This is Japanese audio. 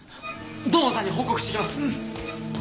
土門さんに報告してきます。